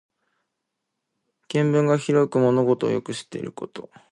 見聞が広く物事をよく知っていること。